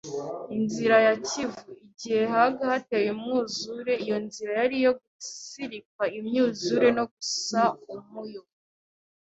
Inzira ya kivu: igihe haga hateye umwuzure iyo nzira yari iyo gutsirika imyuzure no gusa umuyo